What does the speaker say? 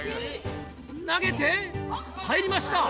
投げて入りました。